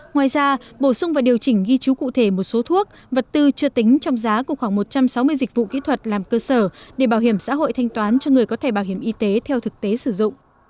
ngoài ra bổ sung và điều chỉnh ghi chú cụ thể một số thuốc vật tư chưa tính trong giá của khoảng một trăm sáu mươi dịch vụ kỹ thuật làm cơ sở để bảo hiểm xã hội thanh toán cho người có thể bảo hiểm y tế theo thực tế sử dụng